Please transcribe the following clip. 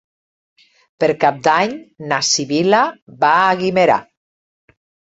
Per Cap d'Any na Sibil·la va a Guimerà.